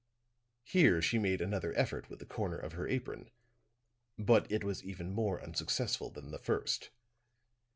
Here she made another effort with the corner of her apron; but it was even more unsuccessful than the first.